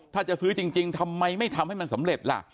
ถ้าจะซื้อจริงทำไมไม่ทำให้มันสำเร็จล่ะ